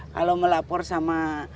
kalau melapor sama